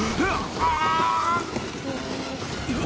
ああ！